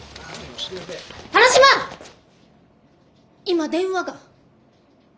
今電話が。